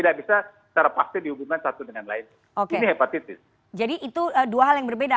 tidak bisa secara pasti dihubungkan satu dengan lain ini hepatitis jadi itu dua hal yang berbeda